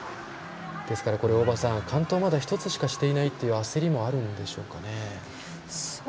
ですから、これまだ完登を１つしかしていないという焦りもあるんでしょうかね。